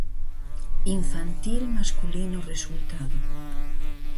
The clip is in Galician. Infantil masculino resultado.